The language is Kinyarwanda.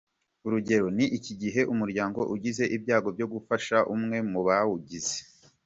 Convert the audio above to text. Urugero ni nk’igihe umuryango ugize ibyago byo gupfusha umwe mu bawugize.